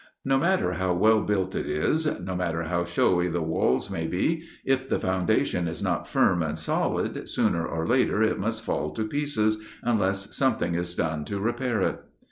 No matter how well built it is, no matter how showy the walls may be, if the foundation is not firm and solid, sooner or later it must fall to pieces, unless something is done to repair it.